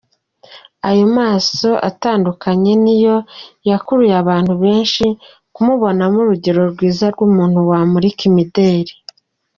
Aya maso atandukanye niyo yakuruye abantu benshi kumubonamo urugero rwiza rw’umuntu wamurika imideli.